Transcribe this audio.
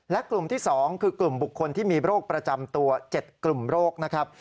และกลุ่มที่๒คือกลุ่มบุคคลที่มีโรคประจำตัว๗กลุ่มโรคนะครับ